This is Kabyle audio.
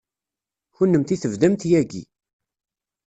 Kennemti tebdamt yagi.